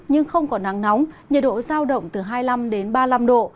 nhưng không có nắng nóng nhiệt độ giao động từ hai mươi năm đến ba mươi năm độ